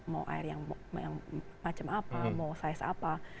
mau air yang macam apa mau size apa